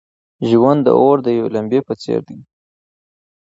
ژوند د اور د یوې لمبې په څېر دی.